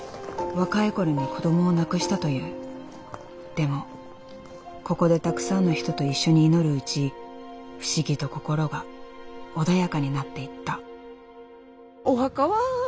でもここでたくさんの人と一緒に祈るうち不思議と心が穏やかになっていった。